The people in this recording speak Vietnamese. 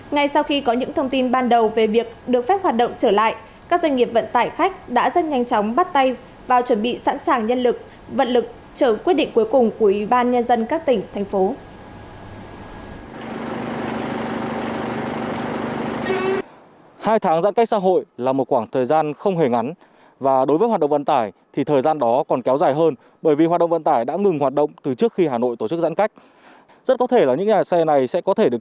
ngay sau khi có những thông tin ban đầu về việc được phép hoạt động trở lại các doanh nghiệp vận tải khách đã rất nhanh chóng bắt tay vào chuẩn bị sẵn sàng nhân lực vận lực chờ quyết định cuối cùng của ủy ban nhân dân các tỉnh thành phố